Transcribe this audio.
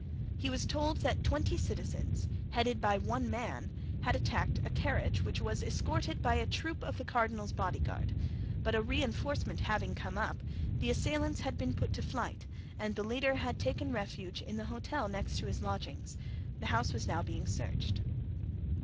He was told that twenty citizens, headed by one man, had attacked a carriage which was escorted by a troop of the cardinal's bodyguard; but a reinforcement having come up, the assailants had been put to flight and the leader had taken refuge in the hotel next to his lodgings; the house was now being searched.